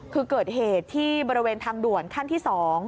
คือเกิดเหตุที่บริเวณทางด่วนขั้นที่๒